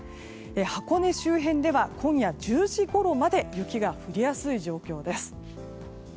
箱根周辺では今夜１０時ごろまで雪が降りやすい状況です。